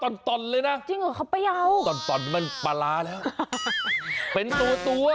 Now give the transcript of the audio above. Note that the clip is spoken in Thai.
ตัวตอนเลยนะตอนมันปลาร้าแล้วเป็นตัว